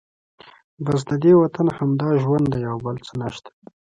بس ددې وطن همدا ژوند دی او بل څه نشته.